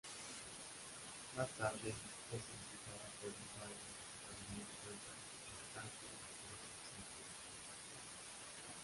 Más tarde, fue solicitada por Balder para unir fuerzas con Asgard contra Surtur.